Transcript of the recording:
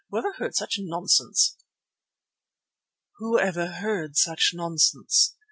Whoever heard such nonsense?" "Whoever heard such nonsense?"